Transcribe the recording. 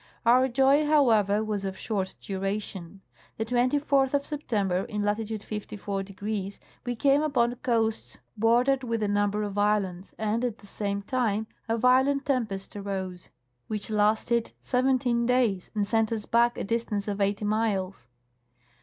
Our joy, however, was of short duration. The 24th of September, in latitude 54 degrees, we came upon coasts bordered with a number of islands, and at the same time a violent tempest arose, which lasted seventeen days and sent us back a distance of eighty miles.